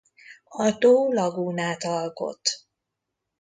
A tó lagúnát alkot.